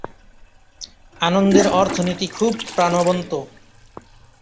আনন্দের অর্থনীতি খুব প্রাণবন্ত।